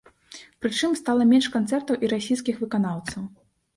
Прычым, стала менш канцэртаў і расійскіх выканаўцаў.